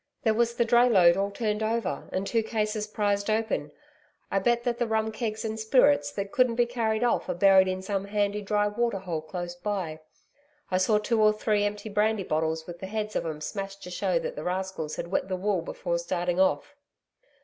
There was the dray load all turned over, and two cases prized open. I bet that the rum kegs and spirits that couldn't be carried off, are buried in some handy dry water hole close by. I saw two or three empty brandy bottles with the heads of 'em smashed to show that the rascals had wet the wool before starting off.'